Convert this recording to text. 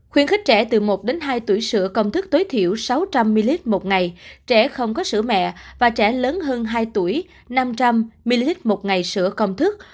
khuyến khích trẻ từ một đến hai tuổi sữa công thức tối thiểu sáu trăm linh ml một ngày trẻ không có sữa mẹ và trẻ lớn hơn hai tuổi năm trăm linh ml một ngày sữa công thức